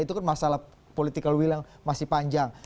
itu kan masalah political will yang masih panjang